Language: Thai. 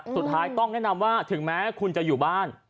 สุดท้ายต้องแนะนำว่าถึงแม้คุณจะอยู่บ้าน